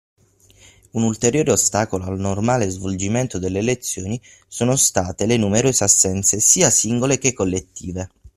Un ulteriore ostacolo al normale svolgimento delle lezioni sono state le numerose assenze sia singole che collettive.